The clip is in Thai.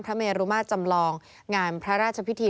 เมรุมาตรจำลองงานพระราชพิธี